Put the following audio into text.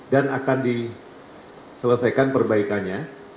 dan akan diselesaikan perbaikannya